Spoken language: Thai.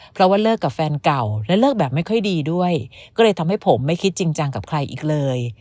เพราะว่าเลิกกับแฟนเก่าและเลิกแบบไม่ค่อยดีด้วยก็เลยทำให้ผมไม่คิดจริงจังกับใครอีกเลย